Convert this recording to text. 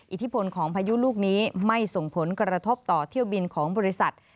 อิทธิพลของพายุลูกนี้ไม่ส่งผลกระทบต่อเที่ยวบินของบริษัท